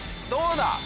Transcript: どうだ？